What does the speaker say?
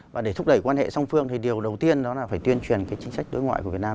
và để thúc đẩy quan hệ song phương thì điều đầu tiên đó là phải tuyên truyền cái chính sách đối ngoại của việt nam